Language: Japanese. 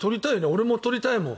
俺も撮りたいもん。